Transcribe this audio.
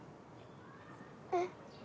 えっ？